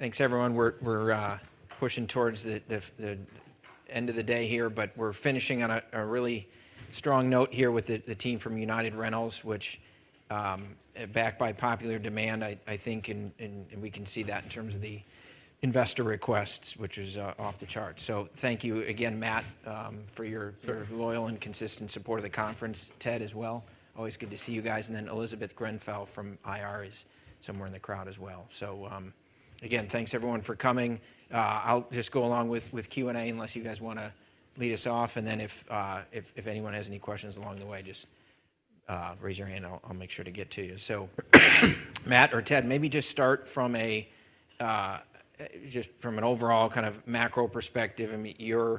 Thanks, everyone. We're pushing towards the end of the day here, but we're finishing on a really strong note here with the team from United Rentals, which backed by popular demand, I think, and we can see that in terms of the investor requests, which is off the charts. So thank you again, Matt, for your loyal and consistent support of the conference. Ted as well. Always good to see you guys. And then Elizabeth Grenfell from IR is somewhere in the crowd as well. So again, thanks, everyone, for coming. I'll just go along with Q&A unless you guys want to lead us off, and then if anyone has any questions along the way, just raise your hand. I'll make sure to get to you. So Matt, or Ted, maybe just start from an overall kind of macro perspective. I mean,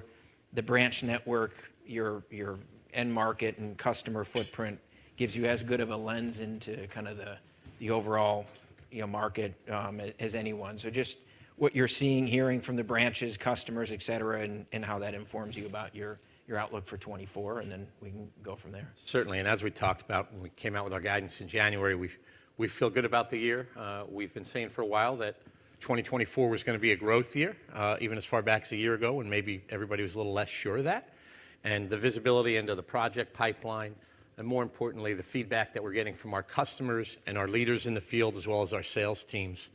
the branch network, your end market, and customer footprint gives you as good of a lens into kind of the overall market as anyone. Just what you're seeing, hearing from the branches, customers, etc., and how that informs you about your outlook for 2024, and then we can go from there. Certainly. And as we talked about when we came out with our guidance in January, we feel good about the year. We've been saying for a while that 2024 was going to be a growth year, even as far back as a year ago, and maybe everybody was a little less sure of that. And the visibility into the project pipeline, and more importantly, the feedback that we're getting from our customers and our leaders in the field, as well as our sales teams,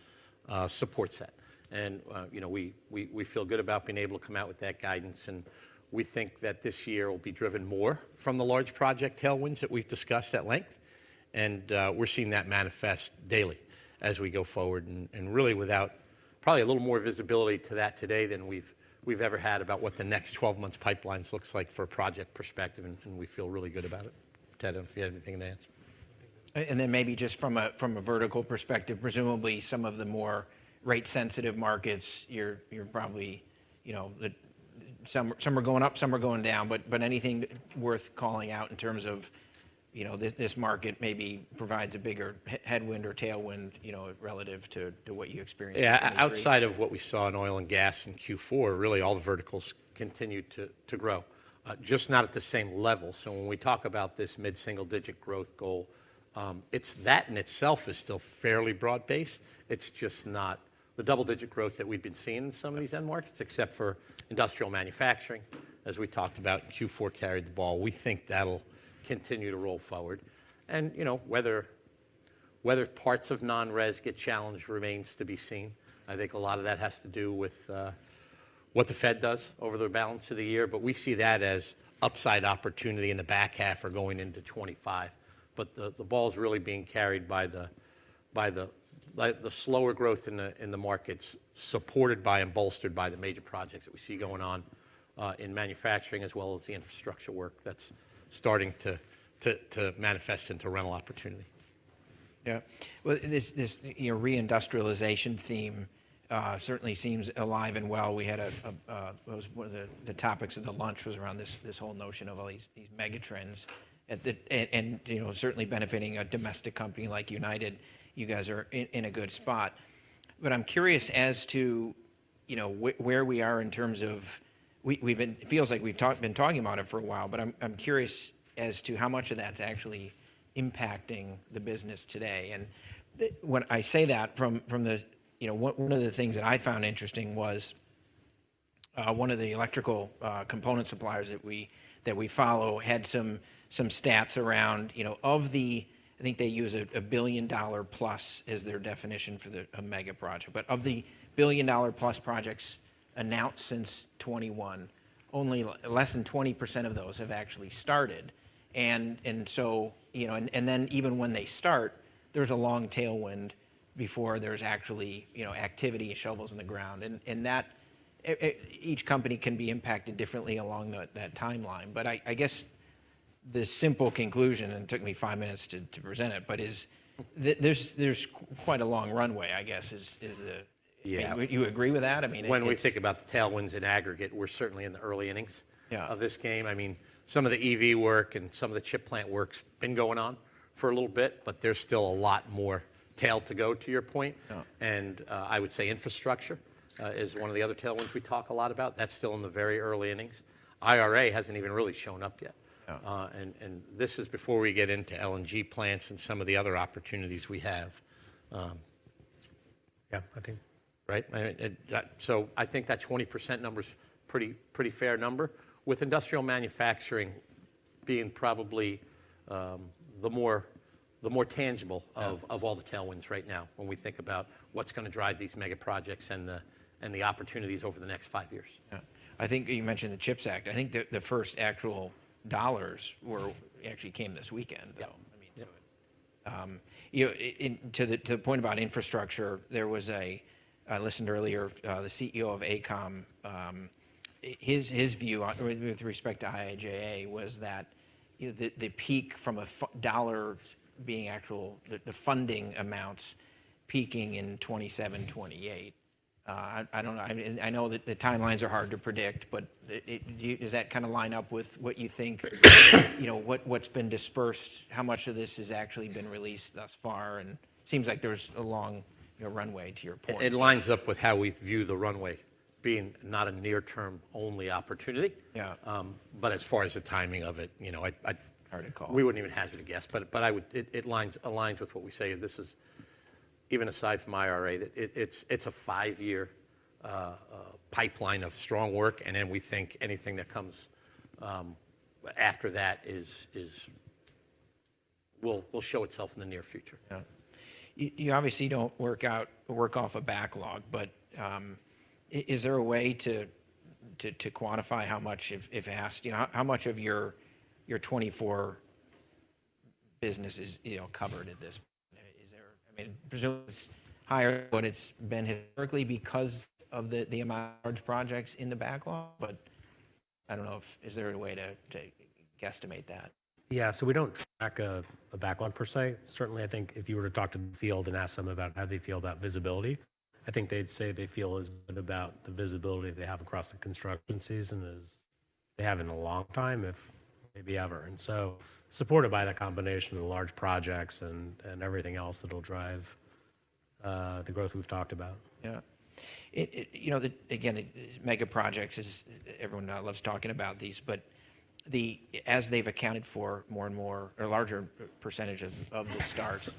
supports that. And we feel good about being able to come out with that guidance, and we think that this year will be driven more from the large project tailwinds that we've discussed at length. We're seeing that manifest daily as we go forward, and really without probably a little more visibility to that today than we've ever had about what the next 12 months' pipeline looks like for a project perspective, and we feel really good about it. Ted, I don't know if you had anything to add. And then maybe just from a vertical perspective, presumably some of the more rate-sensitive markets, you're probably some are going up, some are going down, but anything worth calling out in terms of this market maybe provides a bigger headwind or tailwind relative to what you experienced in Q4? Yeah, outside of what we saw in oil and gas in Q4, really all the verticals continued to grow, just not at the same level. So when we talk about this mid-single-digit growth goal, that in itself is still fairly broad-based. It's just not the double-digit growth that we've been seeing in some of these end markets, except for industrial manufacturing. As we talked about, Q4 carried the ball. We think that'll continue to roll forward. Whether parts of non-res get challenged remains to be seen. I think a lot of that has to do with what the Fed does over the balance of the year, but we see that as upside opportunity in the back half or going into 2025. The ball's really being carried by the slower growth in the markets, supported by and bolstered by the major projects that we see going on in manufacturing, as well as the infrastructure work that's starting to manifest into rental opportunity. Yeah. Well, this reindustrialization theme certainly seems alive and well. That was one of the topics of the lunch, was around this whole notion of all these mega-trends. And certainly benefiting a domestic company like United, you guys are in a good spot. But I'm curious as to where we are in terms of it feels like we've been talking about it for a while, but I'm curious as to how much of that's actually impacting the business today. And when I say that, one of the things that I found interesting was one of the electrical component suppliers that we follow had some stats around of the I think they use a billion-dollar-plus as their definition for a mega-project. But of the billion-dollar-plus projects announced since 2021, only less than 20% of those have actually started. And then even when they start, there's a long tailwind before there's actually activity and shovels in the ground. And each company can be impacted differently along that timeline. But I guess the simple conclusion, and it took me five minutes to present it, but is that there's quite a long runway, I guess. Do you agree with that? I mean. When we think about the tailwinds in aggregate, we're certainly in the early innings of this game. I mean, some of the EV work and some of the chip plant work's been going on for a little bit, but there's still a lot more tail to go, to your point. And I would say infrastructure is one of the other tailwinds we talk a lot about. That's still in the very early innings. IRA hasn't even really shown up yet. And this is before we get into LNG plants and some of the other opportunities we have. Yeah, I think. Right? So I think that 20% number's a pretty fair number, with industrial manufacturing being probably the more tangible of all the tailwinds right now when we think about what's going to drive these mega-projects and the opportunities over the next five years. Yeah. I think you mentioned the CHIPS Act. I think the first actual dollars actually came this weekend, though. I mean, to the point about infrastructure, there was a I listened earlier. The CEO of AECOM, his view with respect to IIJA was that the peak from a dollar being actual the funding amounts peaking in 2027, 2028. I don't know. I know that the timelines are hard to predict, but does that kind of line up with what you think what's been dispersed, how much of this has actually been released thus far? And it seems like there's a long runway, to your point. It lines up with how we view the runway being not a near-term-only opportunity. But as far as the timing of it, I. Hard to call. We wouldn't even hazard a guess. But it aligns with what we say. Even aside from IRA, it's a five-year pipeline of strong work, and then we think anything that comes after that will show itself in the near future. Yeah. You obviously don't work off a backlog, but is there a way to quantify how much, if asked? How much of your 2024 business is covered at this point? I mean, presumably it's higher than what it's been historically because of the amount of large projects in the backlog, but I don't know if is there a way to guesstimate that? Yeah. So we don't track a backlog per se. Certainly, I think if you were to talk to the field and ask them about how they feel about visibility, I think they'd say they feel as good about the visibility they have across the construction season as they have in a long time, if maybe ever. And so supported by that combination of large projects and everything else that'll drive the growth we've talked about. Yeah. Again, mega-projects is everyone loves talking about these, but as they've accounted for more and more or a larger percentage of the starts,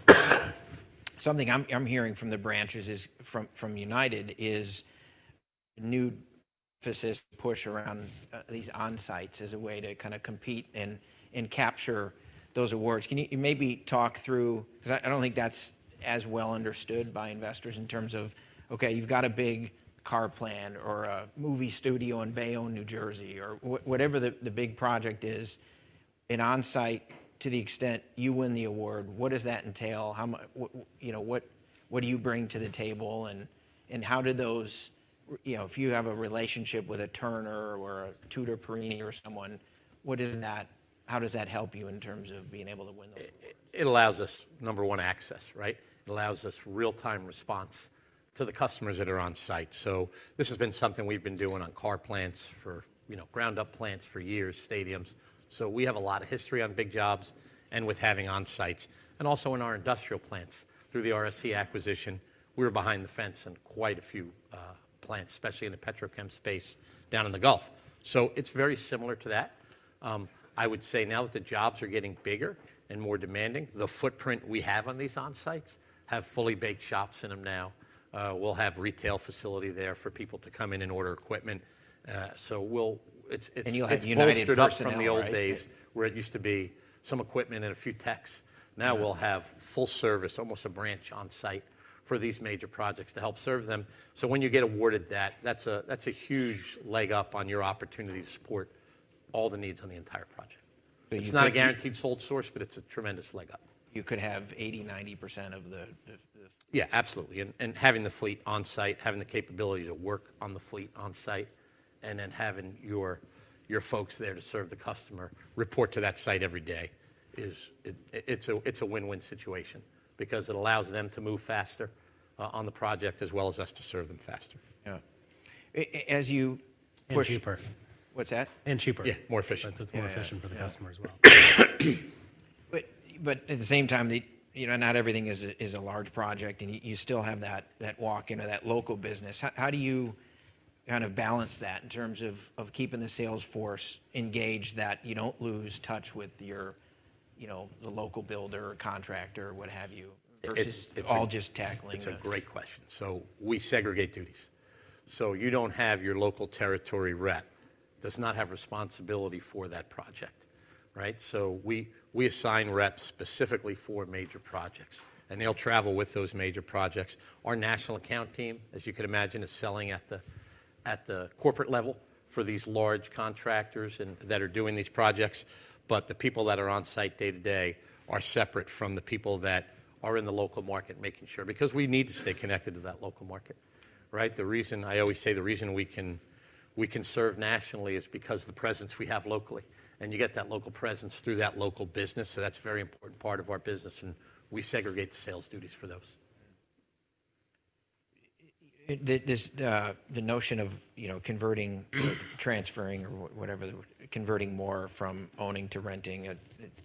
something I'm hearing from the branches from United is new emphasis, push around these on-sites as a way to kind of compete and capture those awards. Can you maybe talk through because I don't think that's as well understood by investors in terms of, "Okay, you've got a big car plant or a movie studio in Bayonne, New Jersey," or whatever the big project is, an on-site to the extent you win the award, what does that entail? What do you bring to the table? And how did those if you have a relationship with a Turner or a Tutor Perini or someone, how does that help you in terms of being able to win the award? It allows us, number one, access, right? It allows us real-time response to the customers that are on-site. So this has been something we've been doing on car plants, ground-up plants for years, stadiums. So we have a lot of history on big jobs and with having on-sites. And also in our industrial plants, through the RSC acquisition, we were behind the fence in quite a few plants, especially in the petrochemical space down in the Gulf. So it's very similar to that. I would say now that the jobs are getting bigger and more demanding, the footprint we have on these on-sites have fully baked shops in them now. We'll have retail facility there for people to come in and order equipment. So it's bolstered our site. You'll have United personnel? From the old days, where it used to be some equipment and a few techs. Now we'll have full service, almost a branch on-site for these major projects to help serve them. So when you get awarded that, that's a huge leg up on your opportunity to support all the needs on the entire project. It's not a guaranteed sole source, but it's a tremendous leg up. You could have 80%-90% of the fleet? Yeah, absolutely. And having the fleet on-site, having the capability to work on the fleet on-site, and then having your folks there to serve the customer, report to that site every day. It's a win-win situation because it allows them to move faster on the project as well as us to serve them faster. Yeah. As you push. And cheaper. What's that? And cheaper. Yeah, more efficient. So it's more efficient for the customer as well. But at the same time, not everything is a large project, and you still have that walk-in or that local business. How do you kind of balance that in terms of keeping the sales force engaged that you don't lose touch with the local builder or contractor or what have you versus all just tackling? It's a great question. So we segregate duties. So you don't have your local territory rep does not have responsibility for that project, right? So we assign reps specifically for major projects, and they'll travel with those major projects. Our national account team, as you could imagine, is selling at the corporate level for these large contractors that are doing these projects. But the people that are on-site day to day are separate from the people that are in the local market making sure because we need to stay connected to that local market, right? I always say the reason we can serve nationally is because of the presence we have locally. And you get that local presence through that local business. So that's a very important part of our business, and we segregate the sales duties for those. The notion of converting, transferring, or whatever, converting more from owning to renting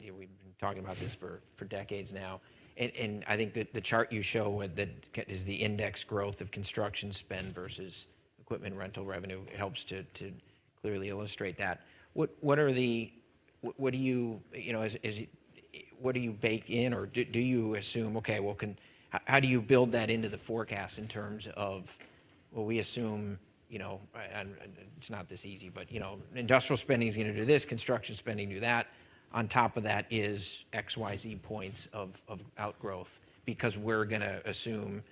we've been talking about this for decades now. And I think the chart you show that is the index growth of construction spend versus equipment rental revenue helps to clearly illustrate that. What do you bake in, or do you assume, "Okay, well, can how do you build that into the forecast in terms of, 'Well, we assume it's not this easy, but industrial spending's going to do this, construction spending do that, on top of that is X, Y, Z points of outgrowth because we're going to assume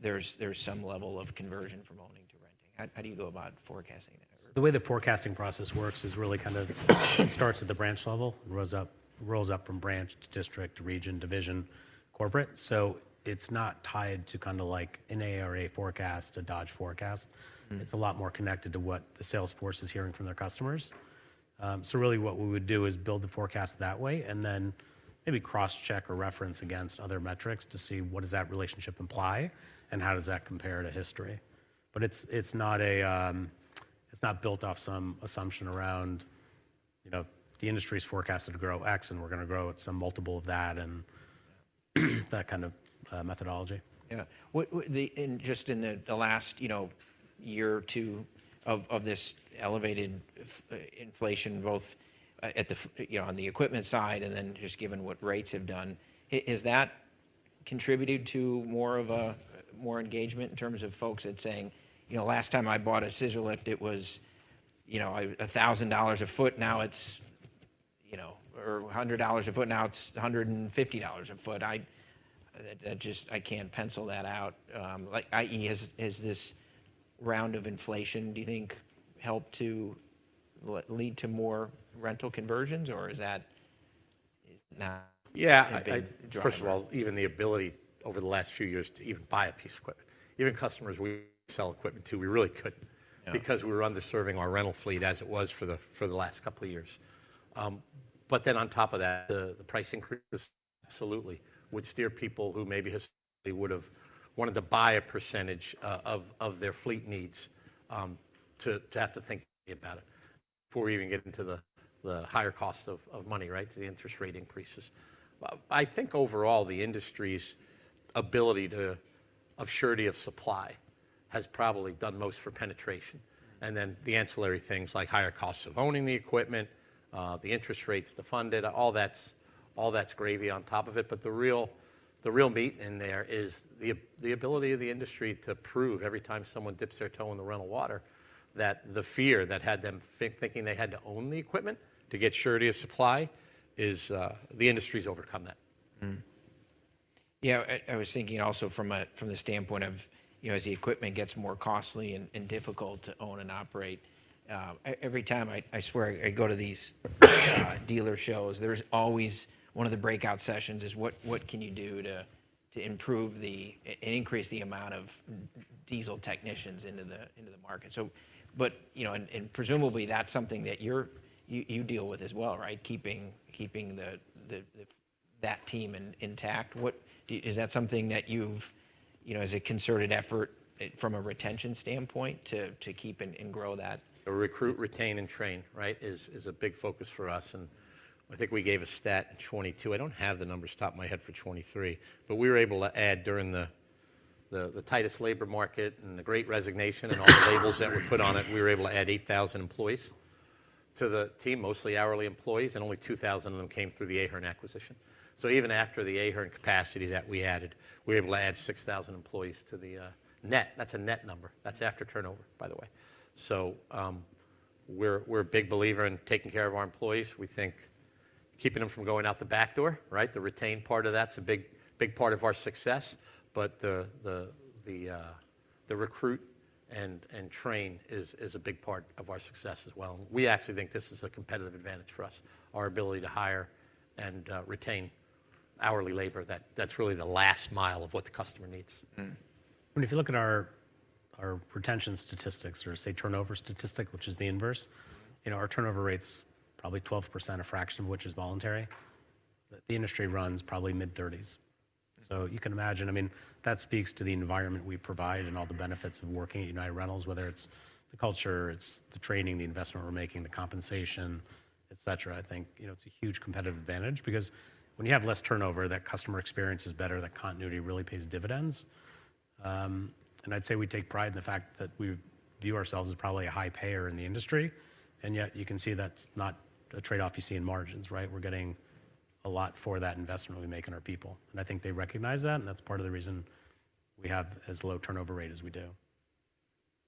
there's some level of conversion from owning to renting'"? How do you go about forecasting that? The way the forecasting process works is really kind of it starts at the branch level and rolls up from branch to district, region, division, corporate. So it's not tied to kind of like an ARA forecast, a Dodge forecast. It's a lot more connected to what the sales force is hearing from their customers. So really what we would do is build the forecast that way and then maybe cross-check or reference against other metrics to see what does that relationship imply, and how does that compare to history? But it's not built off some assumption around, "The industry's forecasted to grow X, and we're going to grow at some multiple of that," and that kind of methodology. Yeah. And just in the last year or two of this elevated inflation, both on the equipment side and then just given what rates have done, has that contributed to more engagement in terms of folks that's saying, "Last time I bought a scissor lift, it was $1,000 a foot. Now it's" or, "$100 a foot. Now it's $150 a foot." I can't pencil that out. I.e., has this round of inflation, do you think, helped to lead to more rental conversions, or is that not a big? Yeah. First of all, even the ability over the last few years to even buy a piece of equipment. Even customers we sell equipment to, we really couldn't because we were underserving our rental fleet as it was for the last couple of years. But then on top of that, the price increases, absolutely, would steer people who maybe historically would have wanted to buy a percentage of their fleet needs to have to think about it before we even get into the higher cost of money, right, to the interest rate increases. I think overall, the industry's ability of surety of supply has probably done most for penetration. And then the ancillary things like higher costs of owning the equipment, the interest rates to fund it, all that's gravy on top of it. But the real meat in there is the ability of the industry to prove every time someone dips their toe in the rental water that the fear that had them thinking they had to own the equipment to get surety of supply is the industry's overcome that. Yeah. I was thinking also from the standpoint of as the equipment gets more costly and difficult to own and operate, every time I swear I go to these dealer shows, there's always one of the breakout sessions is, "What can you do to improve and increase the amount of diesel technicians into the market?" And presumably, that's something that you deal with as well, right, keeping that team intact. Is that something that you've as a concerted effort from a retention standpoint to keep and grow that? Recruit, retain, and train, right, is a big focus for us. And I think we gave a stat in 2022. I don't have the numbers top of my head for 2023, but we were able to add, during the tightest labor market and the great resignation and all the labels that were put on it, 8,000 employees to the team, mostly hourly employees, and only 2,000 of them came through the Ahern acquisition. So even after the Ahern capacity that we added, we were able to add 6,000 employees to the net. That's a net number. That's after turnover, by the way. So we're a big believer in taking care of our employees. We think keeping them from going out the back door, right? The retain part of that's a big part of our success. The recruit and train is a big part of our success as well. We actually think this is a competitive advantage for us, our ability to hire and retain hourly labor. That's really the last mile of what the customer needs. I mean, if you look at our retention statistics or, say, turnover statistic, which is the inverse, our turnover rates, probably 12%, a fraction of which is voluntary. The industry runs probably mid-30s%. So you can imagine. I mean, that speaks to the environment we provide and all the benefits of working at United Rentals, whether it's the culture, it's the training, the investment we're making, the compensation, etc. I think it's a huge competitive advantage because when you have less turnover, that customer experience is better. That continuity really pays dividends. And I'd say we take pride in the fact that we view ourselves as probably a high payer in the industry. And yet you can see that's not a trade-off you see in margins, right? We're getting a lot for that investment we make in our people. I think they recognize that, and that's part of the reason we have as low turnover rate as we do.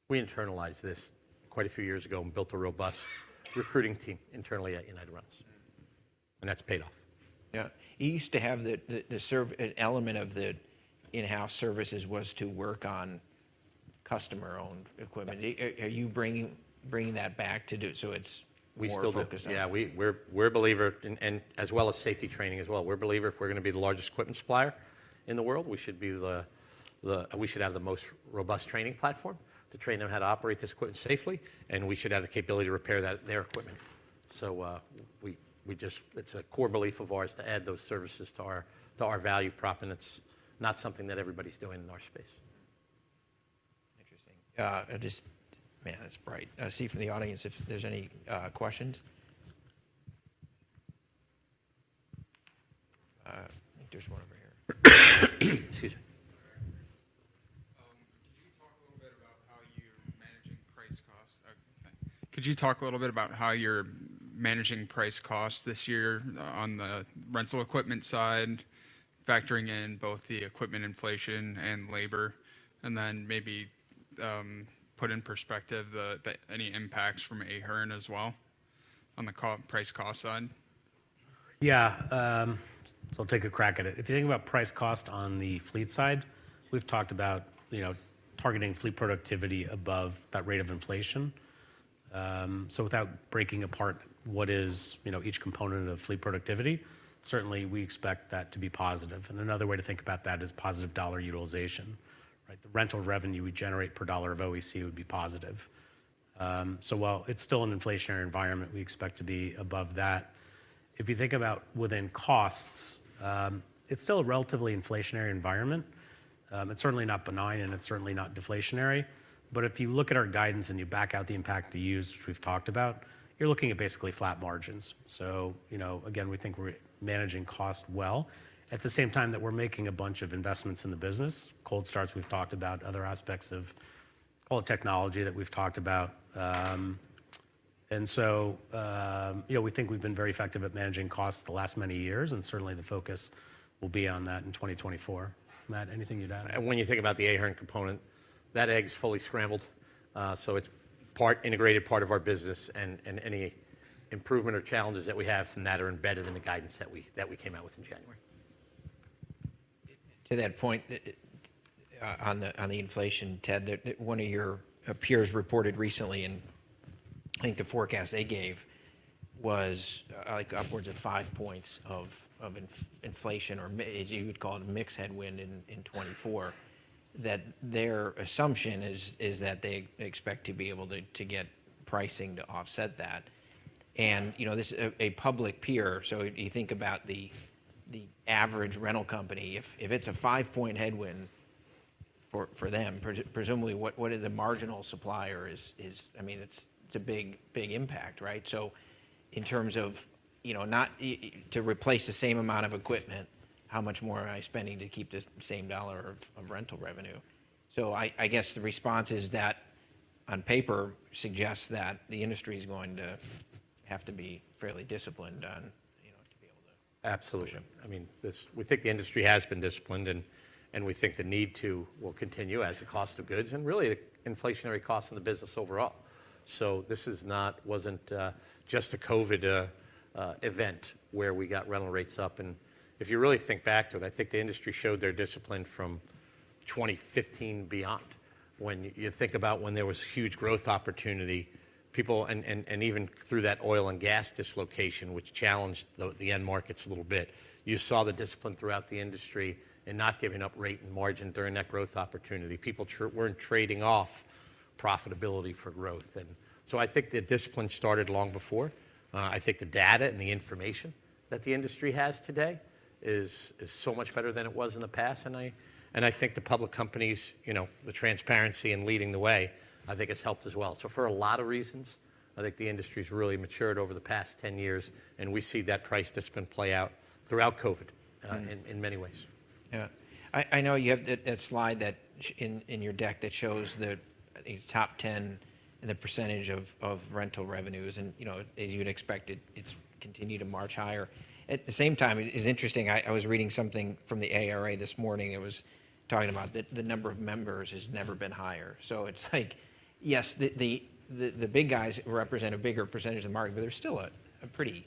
We internalized this quite a few years ago and built a robust recruiting team internally at United Rentals. That's paid off. Yeah. You used to have the element of the in-house services was to work on customer-owned equipment. Are you bringing that back to do so it's more focused on? Yeah. And as well as safety training, we're believing if we're going to be the largest equipment supplier in the world, we should have the most robust training platform to train them how to operate this equipment safely, and we should have the capability to repair their equipment. So it's a core belief of ours to add those services to our value prop, and it's not something that everybody's doing in our space. Interesting. Man, that's bright. See from the audience if there's any questions. I think there's one over here. Excuse me. Can you talk a little bit about how you're managing price costs? Okay. Could you talk a little bit about how you're managing price costs this year on the rental equipment side, factoring in both the equipment inflation and labor, and then maybe put in perspective any impacts from Ahern as well on the price cost side? Yeah. So I'll take a crack at it. If you think about price cost on the fleet side, we've talked about targeting fleet productivity above that rate of inflation. So without breaking apart what is each component of fleet productivity, certainly, we expect that to be positive. And another way to think about that is positive dollar utilization, right? The rental revenue we generate per dollar of OEC would be positive. So while it's still an inflationary environment, we expect to be above that. If you think about within costs, it's still a relatively inflationary environment. It's certainly not benign, and it's certainly not deflationary. But if you look at our guidance and you back out the impact to use, which we've talked about, you're looking at basically flat margins. So again, we think we're managing cost well at the same time that we're making a bunch of investments in the business, Cold Starts we've talked about, other aspects of, call it, technology that we've talked about. And so we think we've been very effective at managing costs the last many years, and certainly, the focus will be on that in 2024. Matt, anything you'd add? When you think about the Ahern component, that egg's fully scrambled. So it's integrated part of our business, and any improvement or challenges that we have from that are embedded in the guidance that we came out with in January. To that point, on the inflation, Ted, one of your peers reported recently, and I think the forecast they gave was upwards of five points of inflation, or as you would call it, a mixed headwind in 2024, that their assumption is that they expect to be able to get pricing to offset that. And this is a public peer. So you think about the average rental company. If it's a 5-point headwind for them, presumably, what are the marginal suppliers? I mean, it's a big impact, right? So in terms of not to replace the same amount of equipment, how much more am I spending to keep the same dollar of rental revenue? So I guess the response is that on paper suggests that the industry's going to have to be fairly disciplined to be able to. Absolutely. I mean, we think the industry has been disciplined, and we think the need to will continue as the cost of goods and really the inflationary costs in the business overall. So this wasn't just a COVID event where we got rental rates up. And if you really think back to it, I think the industry showed their discipline from 2015 beyond. When you think about when there was huge growth opportunity, people and even through that oil and gas dislocation, which challenged the end markets a little bit, you saw the discipline throughout the industry in not giving up rate and margin during that growth opportunity. People weren't trading off profitability for growth. And so I think the discipline started long before. I think the data and the information that the industry has today is so much better than it was in the past. And I think the public companies, the transparency and leading the way, I think has helped as well. So for a lot of reasons, I think the industry's really matured over the past 10 years, and we see that price discipline play out throughout COVID in many ways. Yeah. I know you have that slide in your deck that shows the top 10 and the percentage of rental revenues. And as you'd expect, it's continued to march higher. At the same time, it's interesting. I was reading something from the ARA this morning that was talking about the number of members has never been higher. So it's like, yes, the big guys represent a bigger percentage of the market, but they're still a pretty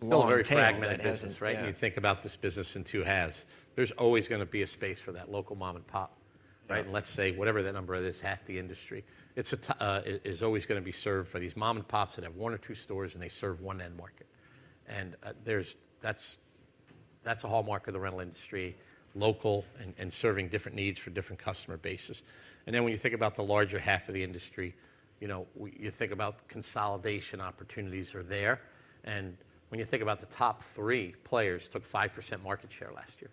small business. Still a very very fragmented business, right? You think about this business in two halves. There's always going to be a space for that local mom-and-pop, right? Let's say whatever that number is, half the industry, it's always going to be served by these mom-and-pops that have one or two stores, and they serve one end market. That's a hallmark of the rental industry, local and serving different needs for different customer bases. Then when you think about the larger half of the industry, you think about consolidation opportunities are there. When you think about the top three players, took 5% market share last year.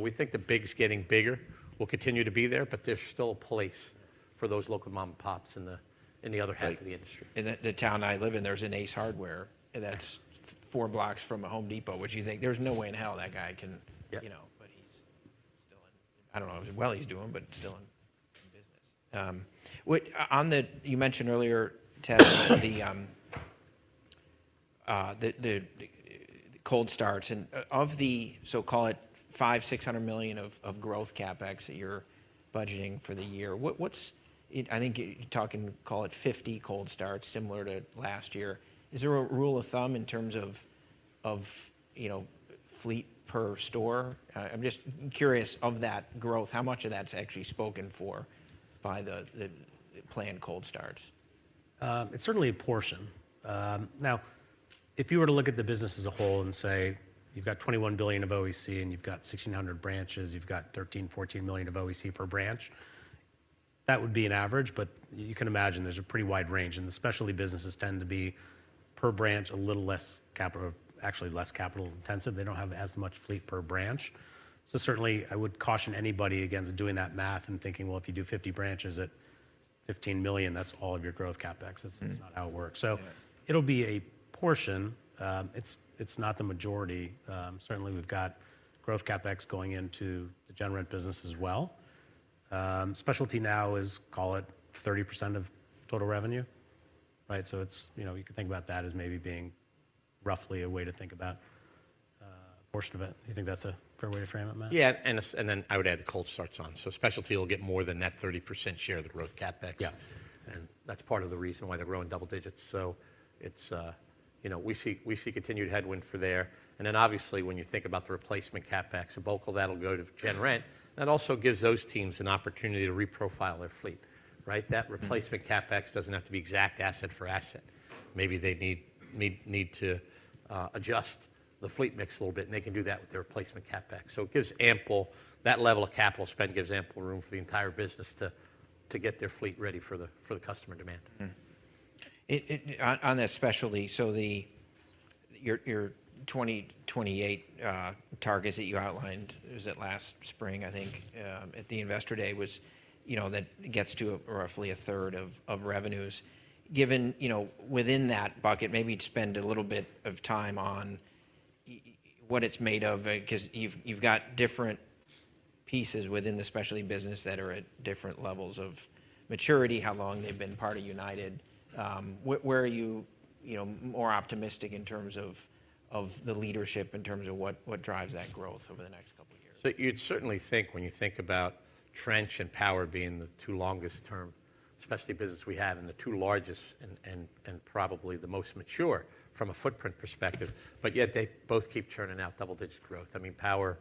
We think the big's getting bigger, will continue to be there, but there's still a place for those local mom-and-pops in the other half of the industry. Right. In the town I live in, there's an Ace Hardware. That's four blocks from a Home Depot, which you think, "There's no way in hell that guy can" but he's still in—I don't know. Well, he's doing but still in business. You mentioned earlier, Ted, the Cold Starts. Of the so-called $500 million-$600 million of growth CapEx that you're budgeting for the year, I think you're talking, call it, 50 Cold Starts similar to last year. Is there a rule of thumb in terms of fleet per store? I'm just curious, of that growth, how much of that's actually spoken for by the planned Cold Starts? It's certainly a portion. Now, if you were to look at the business as a whole and say you've got $21 billion of OEC, and you've got 1,600 branches, you've got $13-$14 million of OEC per branch, that would be an average. But you can imagine there's a pretty wide range. And especially businesses tend to be per branch a little less capital actually, less capital-intensive. They don't have as much fleet per branch. So certainly, I would caution anybody against doing that math and thinking, "Well, if you do 50 branches at $15 million, that's all of your growth CapEx. That's not how it works." So it'll be a portion. It's not the majority. Certainly, we've got growth CapEx going into the general rent business as well. Specialty now is, call it, 30% of total revenue, right? So you could think about that as maybe being roughly a way to think about a portion of it. You think that's a fair way to frame it, Matt? Yeah. And then I would add the Cold Starts on. So specialty will get more than that 30% share of the growth CapEx. And that's part of the reason why they're growing double digits. So we see continued headwind for there. And then obviously, when you think about the replacement CapEx, a bulk of that'll go to GenRent. That also gives those teams an opportunity to reprofile their fleet, right? That replacement CapEx doesn't have to be exact asset for asset. Maybe they need to adjust the fleet mix a little bit, and they can do that with their replacement CapEx. So that level of capital spend gives ample room for the entire business to get their fleet ready for the customer demand. On that specialty, so your 2028 targets that you outlined, it was that last spring, I think, at the Investor Day, was that gets to roughly a third of revenues. Within that bucket, maybe spend a little bit of time on what it's made of because you've got different pieces within the specialty business that are at different levels of maturity, how long they've been part of United. Where are you more optimistic in terms of the leadership, in terms of what drives that growth over the next couple of years? So you'd certainly think when you think about trench and power being the two longest-term specialty business we have and the two largest and probably the most mature from a footprint perspective, but yet they both keep churning out double-digit growth. I mean, power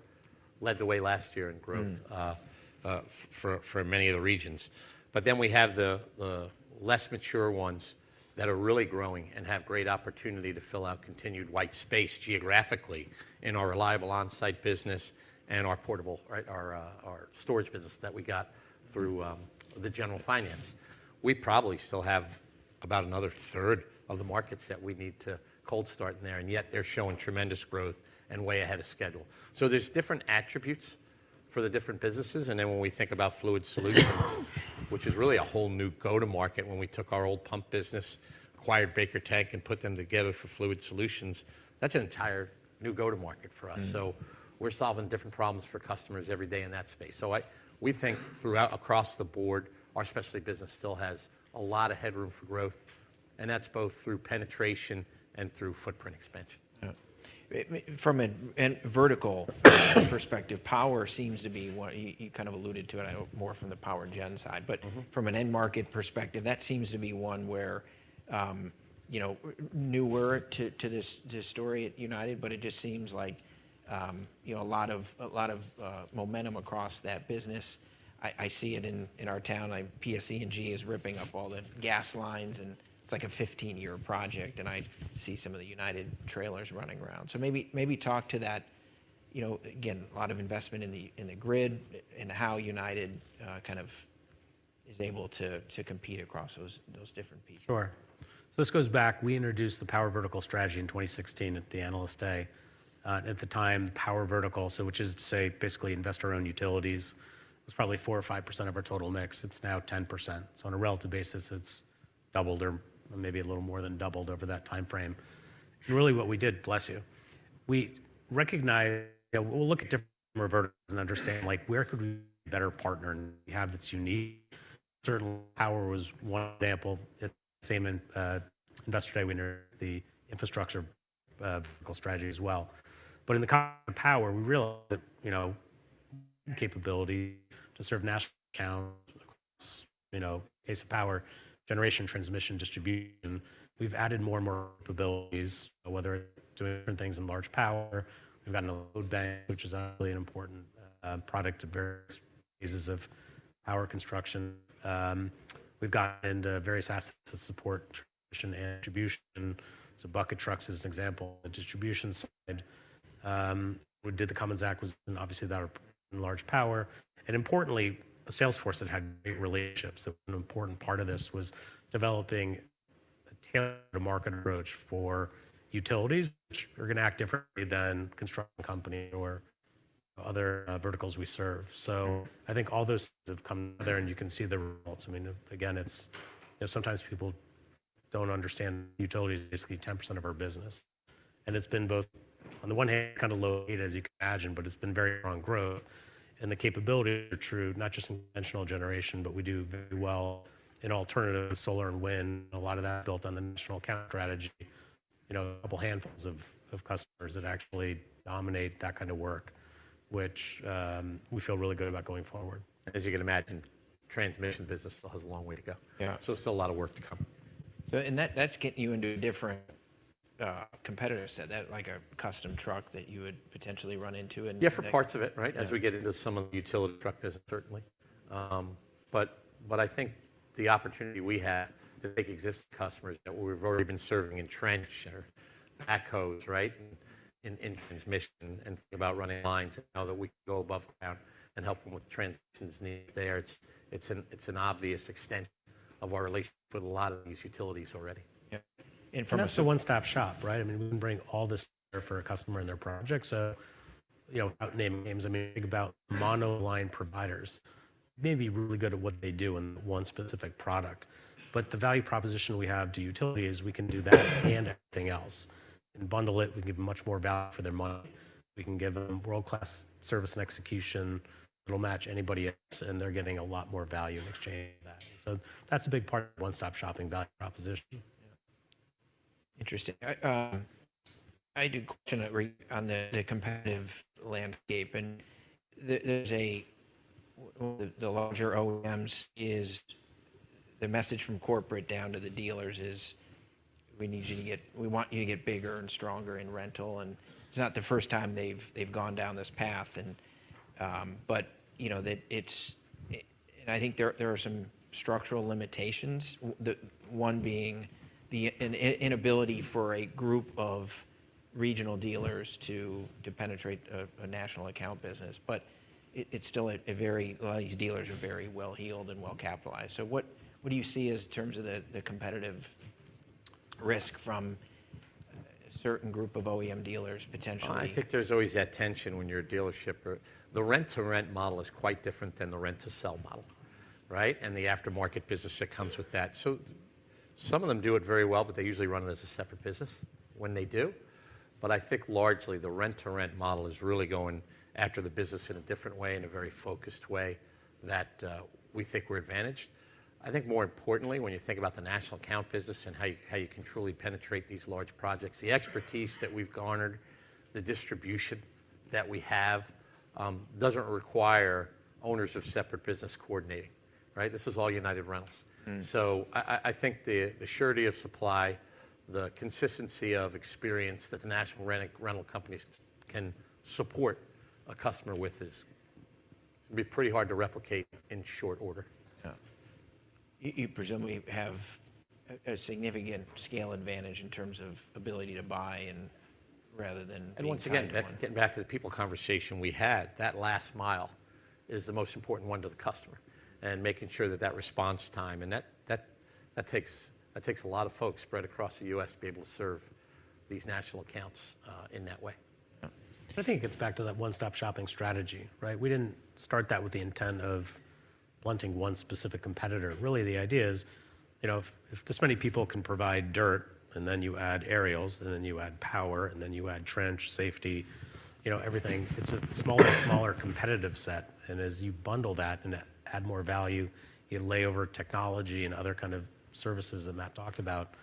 led the way last year in growth for many of the regions. But then we have the less mature ones that are really growing and have great opportunity to fill out continued white space geographically in our reliable on-site business and our storage business that we got through the General Finance. We probably still have about another third of the markets that we need to cold start in there, and yet they're showing tremendous growth and way ahead of schedule. So there's different attributes for the different businesses. Then when we think about Fluid Solutions, which is really a whole new go-to-market when we took our old pump business, acquired BakerCorp, and put them together for Fluid Solutions, that's an entire new go-to-market for us. So we're solving different problems for customers every day in that space. So we think throughout, across the board, our specialty business still has a lot of headroom for growth, and that's both through penetration and through footprint expansion. Yeah. From a vertical perspective, power seems to be you kind of alluded to it, I know, more from the power gen side. But from an end-market perspective, that seems to be one where newer to this story at United, but it just seems like a lot of momentum across that business. I see it in our town. PSE&G is ripping up all the gas lines, and it's like a 15-year project. And I see some of the United trailers running around. So maybe talk to that again, a lot of investment in the grid and how United kind of is able to compete across those different pieces. Sure. So this goes back. We introduced the Power Vertical strategy in 2016 at the Analyst Day. At the time, Power Vertical, so which is to say basically investor-owned utilities, was probably 4% or 5% of our total mix. It's now 10%. So on a relative basis, it's doubled or maybe a little more than doubled over that time frame. And really, what we did, bless you, we did look at different verticals and understand where could we better partner and have that's unique. Certainly, power was one example. Same at Investor Day. We introduced the Infrastructure Vertical strategy as well. But in the concept of power, we realized that with capability to serve national accounts across aspects of power generation, transmission, distribution, we've added more and more capabilities, whether it's doing different things in large power. We've gotten a load bank, which is really an important product to various phases of power construction. We've gotten into various assets to support transmission and distribution. So bucket trucks is an example. The distribution side, we did the Cummins acquisition. Obviously, that would be in large power. And importantly, a sales force that had great relationships. So an important part of this was developing a tailored-to-market approach for utilities, which are going to act differently than construction company or other verticals we serve. So I think all those have come together, and you can see the results. I mean, again, sometimes people don't understand utilities is basically 10% of our business. And it's been both, on the one hand, kind of low-heated, as you can imagine, but it's been very strong growth. The capabilities are true, not just in conventional generation, but we do very well in alternatives, solar and wind. A lot of that's built on the national account strategy. A couple handfuls of customers that actually dominate that kind of work, which we feel really good about going forward. As you can imagine, transmission business still has a long way to go. Still a lot of work to come. That's getting you into a different competitor set, like a Custom Truck that you would potentially run into and. Yeah, for parts of it, right, as we get into some of the utility truck business, certainly. But I think the opportunity we have to take existing customers that we've already been serving in trench or echos, right, in transmission and think about running lines now that we can go above ground and help them with transmission as needed there, it's an obvious extension of our relationship with a lot of these utilities already. Yeah. And from a. That's the one-stop shop, right? I mean, we can bring all this for a customer and their project. Without naming names, I mean, think about mono line providers. They may be really good at what they do in one specific product. The value proposition we have to utility is we can do that and everything else and bundle it. We can give much more value for their money. We can give them world-class service and execution that'll match anybody else, and they're getting a lot more value in exchange for that. That's a big part of one-stop shopping value proposition. Yeah. Interesting. I had a question on the competitive landscape. And one of the larger OEMs is the message from corporate down to the dealers is, "We need you to get, we want you to get bigger and stronger in rental." And it's not the first time they've gone down this path. And I think there are some structural limitations, one being the inability for a group of regional dealers to penetrate a national account business. But a lot of these dealers are very well-heeled and well-capitalized. So what do you see as terms of the competitive risk from a certain group of OEM dealers potentially? I think there's always that tension when you're a dealership. The rent-to-rent model is quite different than the rent-to-sell model, right? The aftermarket business that comes with that. Some of them do it very well, but they usually run it as a separate business when they do. But I think largely, the rent-to-rent model is really going after the business in a different way, in a very focused way that we think we're advantaged. I think more importantly, when you think about the national account business and how you can truly penetrate these large projects, the expertise that we've garnered, the distribution that we have doesn't require owners of separate businesses coordinating, right? This is all United Rentals. I think the surety of supply, the consistency of experience that the national rental companies can support a customer with is going to be pretty hard to replicate in short order. Yeah. You presumably have a significant scale advantage in terms of ability to buy rather than being dependent. Once again, getting back to the people conversation we had, that last mile is the most important one to the customer and making sure that that response time and that takes a lot of folks spread across the U.S. to be able to serve these national accounts in that way. Yeah. I think it gets back to that one-stop shopping strategy, right? We didn't start that with the intent of blunting one specific competitor. Really, the idea is if this many people can provide dirt, and then you add aerials, and then you add power, and then you add trench, safety, everything, it's a smaller, smaller competitive set. As you bundle that and add more value, you lay over technology and other kind of services that Matt talked about,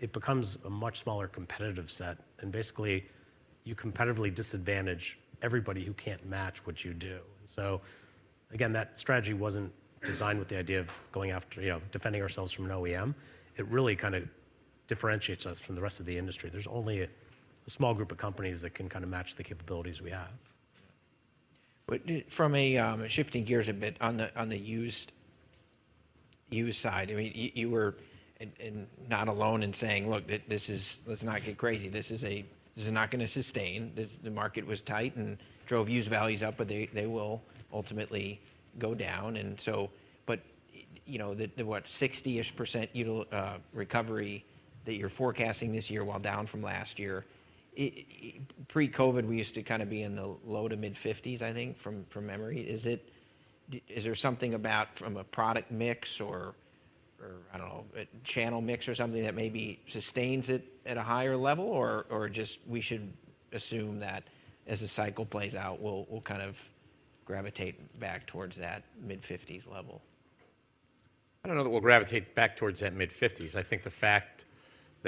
it becomes a much smaller competitive set. Basically, you competitively disadvantage everybody who can't match what you do. So again, that strategy wasn't designed with the idea of going after defending ourselves from an OEM. It really kind of differentiates us from the rest of the industry. There's only a small group of companies that can kind of match the capabilities we have. But from a shifting gears a bit on the used side, I mean, you were not alone in saying, "Look, let's not get crazy. This is not going to sustain. The market was tight and drove used values up, but they will ultimately go down." But what, 60-ish% recovery that you're forecasting this year while down from last year? Pre-COVID, we used to kind of be in the low to mid-50s%, I think, from memory. Is there something about from a product mix or, I don't know, a channel mix or something that maybe sustains it at a higher level, or just we should assume that as the cycle plays out, we'll kind of gravitate back towards that mid-50s% level? I don't know that we'll gravitate back towards that mid-50s. I think the fact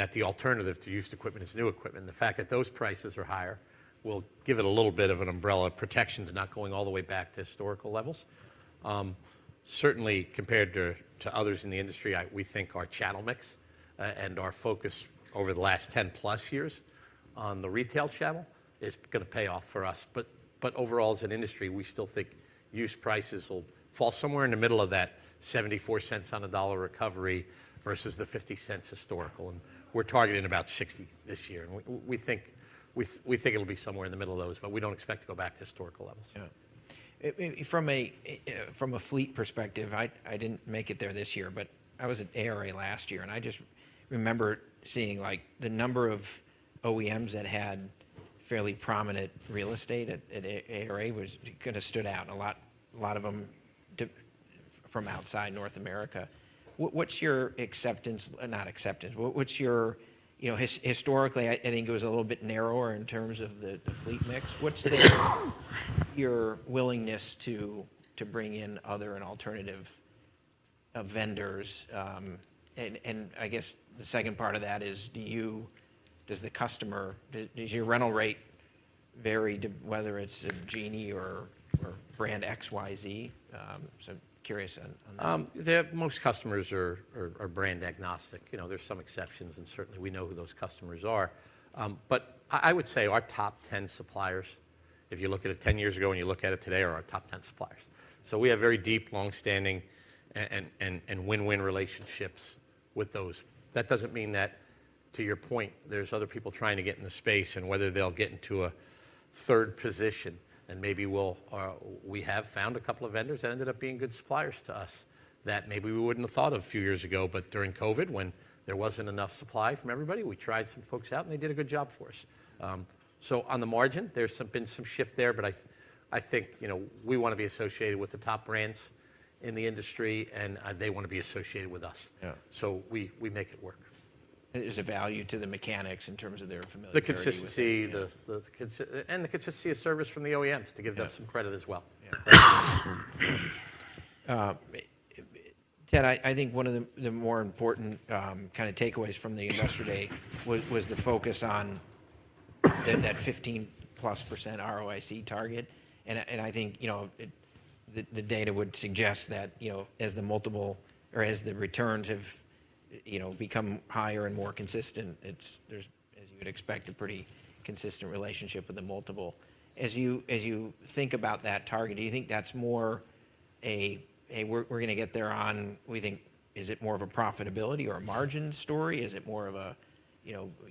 that the alternative to used equipment is new equipment, the fact that those prices are higher will give it a little bit of an umbrella of protection to not going all the way back to historical levels. Certainly, compared to others in the industry, we think our channel mix and our focus over the last 10+ years on the retail channel is going to pay off for us. But overall, as an industry, we still think used prices will fall somewhere in the middle of that 74 cents on a dollar recovery versus the 50 cents historical. And we're targeting about 60 this year. And we think it'll be somewhere in the middle of those, but we don't expect to go back to historical levels. Yeah. From a fleet perspective, I didn't make it there this year, but I was at ARA last year. I just remember seeing the number of OEMs that had fairly prominent real estate at ARA kind of stood out, a lot of them from outside North America. What's your acceptance. Historically, I think it was a little bit narrower in terms of the fleet mix. What's your willingness to bring in other and alternative vendors? I guess the second part of that is, does your rental rate vary whether it's a Genie or brand XYZ? Curious on that. Most customers are brand agnostic. There's some exceptions, and certainly, we know who those customers are. But I would say our top 10 suppliers, if you look at it 10 years ago and you look at it today, are our top 10 suppliers. So we have very deep, longstanding, and win-win relationships with those. That doesn't mean that, to your point, there's other people trying to get in the space and whether they'll get into a third position. And maybe we have found a couple of vendors that ended up being good suppliers to us that maybe we wouldn't have thought of a few years ago. But during COVID, when there wasn't enough supply from everybody, we tried some folks out, and they did a good job for us. So on the margin, there's been some shift there, but I think we want to be associated with the top brands in the industry, and they want to be associated with us. So we make it work. There's a value to the mechanics in terms of their familiarity. The consistency and the consistency of service from the OEMs to give them some credit as well. Yeah. Ted, I think one of the more important kind of takeaways from the Investor Day was the focus on that 15%+ ROIC target. And I think the data would suggest that as the multiple or as the returns have become higher and more consistent, there's, as you would expect, a pretty consistent relationship with the multiple. As you think about that target, do you think that's more a, "Hey, we're going to get there on," we think, is it more of a profitability or a margin story? Is it more of a,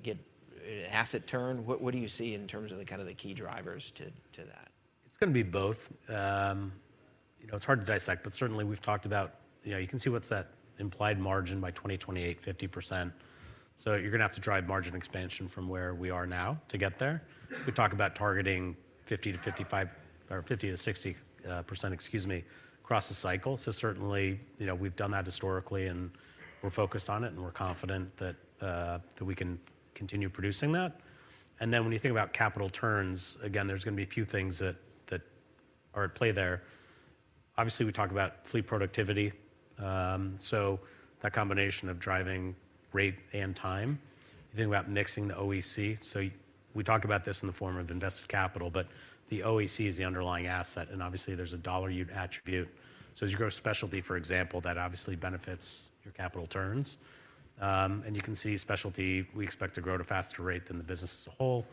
"Get an asset turn"? What do you see in terms of kind of the key drivers to that? It's going to be both. It's hard to dissect, but certainly, we've talked about you can see what's that implied margin by 2028, 50%. So you're going to have to drive margin expansion from where we are now to get there. We talk about targeting 50%-55% or 50%-60%, excuse me, across the cycle. So certainly, we've done that historically, and we're focused on it, and we're confident that we can continue producing that. And then when you think about capital turns, again, there's going to be a few things that are at play there. Obviously, we talk about fleet productivity. So that combination of driving rate and time. You think about mixing the OEC. So we talk about this in the form of invested capital, but the OEC is the underlying asset. And obviously, there's a dollar-yield attribute. So as you grow specialty, for example, that obviously benefits your capital turns. And you can see specialty, we expect to grow at a faster rate than the business as a whole.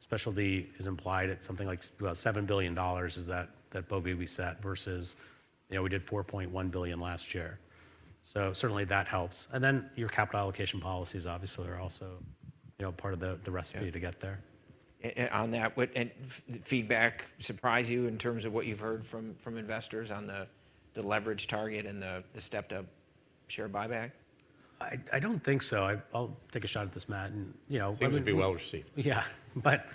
Specialty is implied at something like about $7 billion—is that by 2025 we set versus we did $4.1 billion last year. So certainly, that helps. And then your capital allocation policies, obviously, are also part of the recipe to get there. On that, would feedback surprise you in terms of what you've heard from investors on the leverage target and the stepped-up share buyback? I don't think so. I'll take a shot at this, Matt. And. Seems to be well-received. Yeah. But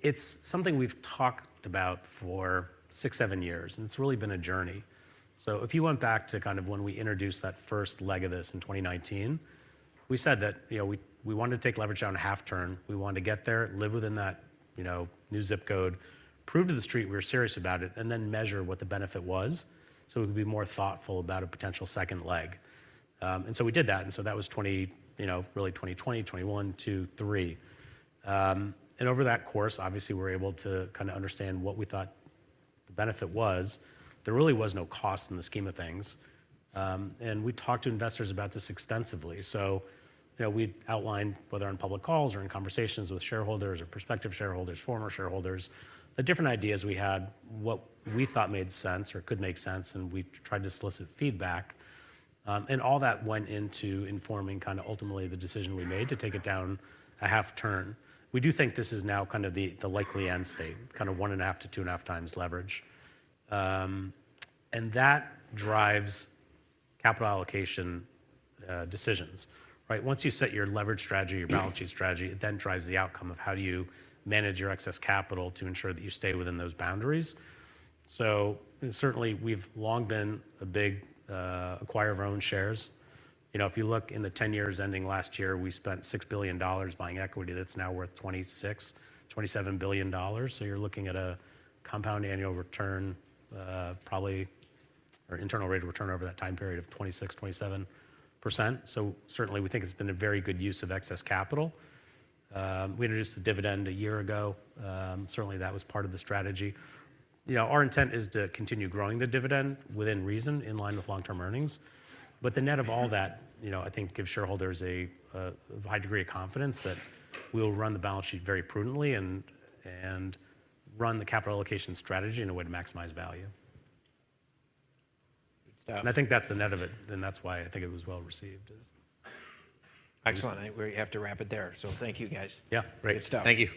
it's something we've talked about for 6-7 years, and it's really been a journey. So if you went back to kind of when we introduced that first leg of this in 2019, we said that we wanted to take leverage down a half turn. We wanted to get there, live within that new zip code, prove to the street we were serious about it, and then measure what the benefit was so we could be more thoughtful about a potential second leg. And so we did that. And so that was really 2020, 2021, 2023. And over that course, obviously, we're able to kind of understand what we thought the benefit was. There really was no cost in the scheme of things. And we talked to investors about this extensively. So we'd outlined whether on public calls or in conversations with shareholders or prospective shareholders, former shareholders, the different ideas we had, what we thought made sense or could make sense. And we tried to solicit feedback. And all that went into informing kind of ultimately the decision we made to take it down a half turn. We do think this is now kind of the likely end state, kind of 1.5-2.5 times leverage. And that drives capital allocation decisions, right? Once you set your leverage strategy, your balance sheet strategy, it then drives the outcome of how do you manage your excess capital to ensure that you stay within those boundaries. So certainly, we've long been a big acquirer of our own shares. If you look in the 10 years ending last year, we spent $6 billion buying equity that's now worth $26-$27 billion. So you're looking at a compound annual return probably or internal rate of return over that time period of 26%-27%. So certainly, we think it's been a very good use of excess capital. We introduced the dividend a year ago. Certainly, that was part of the strategy. Our intent is to continue growing the dividend within reason, in line with long-term earnings. But the net of all that, I think, gives shareholders a high degree of confidence that we'll run the balance sheet very prudently and run the capital allocation strategy in a way to maximize value. And I think that's the net of it. And that's why I think it was well-received. Excellent. I think we have to wrap it there. So thank you, guys. Yeah. Great. Good stuff. Thank you.